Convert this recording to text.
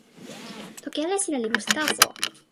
toki ale sina li musi taso.